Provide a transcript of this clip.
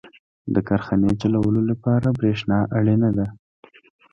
• د کارخانې چلولو لپاره برېښنا اړینه ده.